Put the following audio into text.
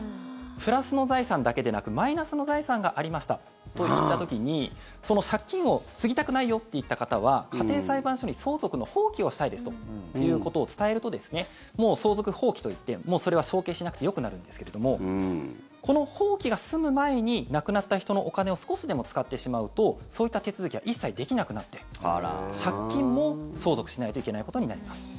プラスの財産だけでなくマイナスの財産がありましたといった時にその借金を継ぎたくないよといった方は家庭裁判所に相続の放棄をしたいですということを伝えると相続放棄といってもうそれは承継しなくてよくなるんですけれどもこの放棄が済む前に亡くなった人のお金を少しでも使ってしまうとそういった手続きが一切できなくなって借金も相続しないといけないことになります。